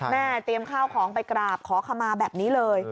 เตรียมข้าวของไปกราบขอขมาแบบนี้เลย